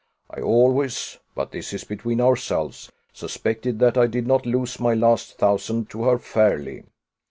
I always but this is between ourselves suspected that I did not lose my last thousand to her fairly.